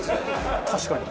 確かに。